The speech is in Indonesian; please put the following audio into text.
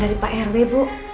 dari pak rw bu